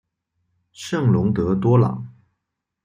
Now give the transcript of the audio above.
圣龙德多朗。